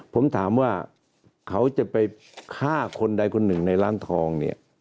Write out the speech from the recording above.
ผมถามว่าเขาจะไปฆ่าคนใดคนหนึ่งในร้านทองเนี่ย